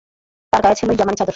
তার গায়ে ছিল ইয়ামানী চাদর!